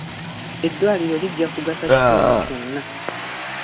Eddwaliro lijja kugasa kitundu kyonna.